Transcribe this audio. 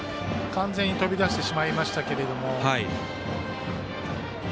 完全に飛び出してしまいましたが。